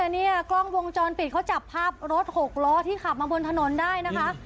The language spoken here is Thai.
เนี่ยกล้องวงจรปิดเขาจับภาพรถหกล้อที่ขับมาบนถนนได้นะคะ